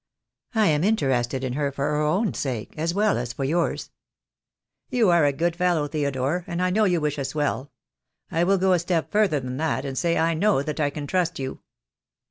I am interested in her for her own sake, as well as for yours." "You are a good fellow, Theodore, and I know you wish us well. 1 will go a step further than that and say I know that I can trust you."